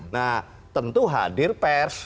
nah tentu hadir pers